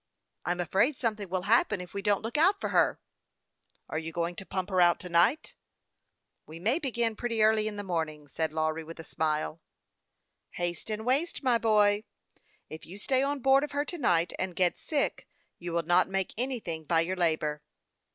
" I'm afraid something will happen if we don't look out for her." " Are you going to pump her out to night ?"" We may begin pretty early in the morning," said Lawry, with a smile. 13* 150 HASTE AND WASTE, OE " Haste and waste, my boy. If you stay on board of her to night, and get sick, you will not make any thing by your labor."